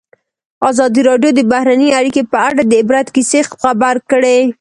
ازادي راډیو د بهرنۍ اړیکې په اړه د عبرت کیسې خبر کړي.